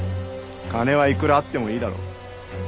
金はいくらあってもいいだろ。